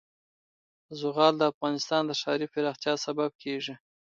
زغال د افغانستان د ښاري پراختیا سبب کېږي.